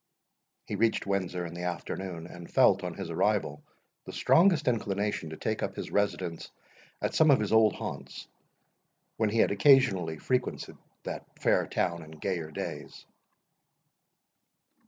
He reached Windsor in the afternoon, and felt on his arrival the strongest inclination to take up his residence at some of his old haunts, when he had occasionally frequented that fair town in gayer days.